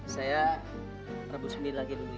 saya rebus mendi lagi dulu ya